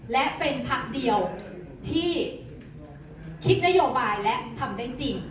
และเป็นพักเดียวที่คิดนโยบายและทำได้จริง